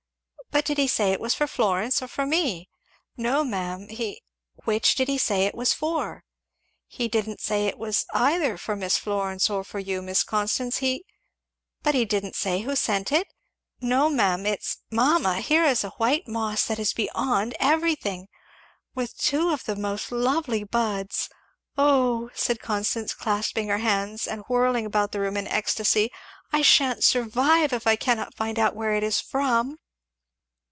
"But did he say it was for Florence or for me?" "No ma'am he" "Which did he say it was for?" "He didn't say it was either for Miss Florence or for you, Miss Constance; he " "But didn't he say who sent it?" "No ma'am. It's" "Mamma here is a white moss that is beyond everything! with two of the most lovely buds Oh!" said Constance clasping her hands and whirling about the room in comic ecstasy "I sha'n't survive if I cannot find out where it is from!